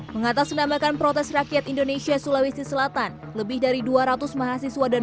mengatasnamakan protes rakyat indonesia sulawesi selatan lebih dari dua ratus mahasiswa dan